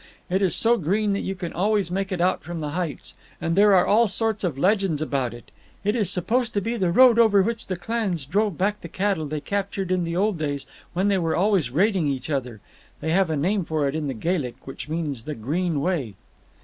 It is so green that you can always make it out from the heights, and there are all sorts of legends about it. It is supposed to be the road over which the clans drove back the cattle they captured in the old days when they were always raiding each other. They have a name for it In the Gaelic, which means the Green Way."